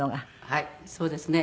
はいそうですね。